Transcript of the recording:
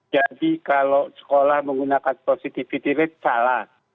jadi kalau sekolah menggunakan positivity rate salah